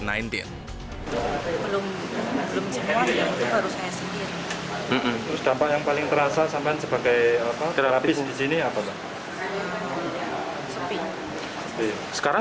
belum semua itu baru saya sendiri